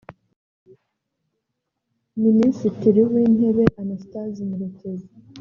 Minisitiri w’Intebe Anastase Murekezi